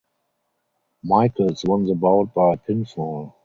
Michaels won the bout by pinfall.